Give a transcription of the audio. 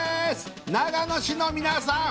長野市の皆さん